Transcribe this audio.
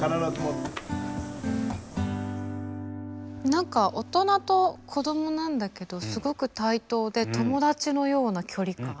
何か大人と子どもなんだけどすごく対等で友達のような距離感。